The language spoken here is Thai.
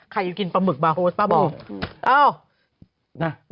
ใครจะกินปลาหมึกบาร์โฮสป้าบอก